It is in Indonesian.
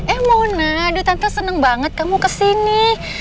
eh mona aduh tante seneng banget kamu kesini